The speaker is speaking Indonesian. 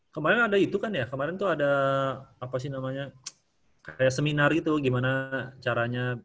kemarin ada itu kan ya kemarin tuh ada apa sih namanya kayak seminar gitu gimana caranya